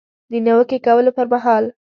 د نیوکې کولو پر مهال